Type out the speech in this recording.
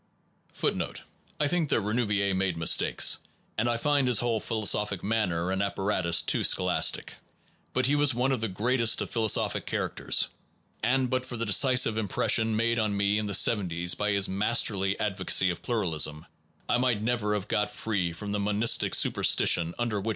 1 1 I think that Renouvier made mistakes, and I find his whole philo sophic manner and apparatus too scholastic. But he was one of the greatest of philosophic characters, and but for the decisive impression made on me in the seventies by his masterly advocacy of pluralism; I might never have got free from the monistic superstition under which.